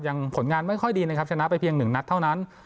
ผลงานไม่ค่อยดีนะครับชนะไปเพียง๑นัดเท่านั้น